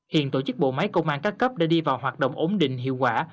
hiện tổ chức bộ máy công an các cấp đã đi vào hoạt động ổn định hiệu quả